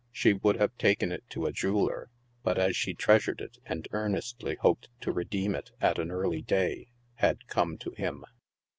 She would have taken it to a jeweller, but as she treasured it, and earnestly hoped to redeem it at an early day, had come to him.